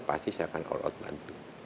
pasti saya akan all out bantu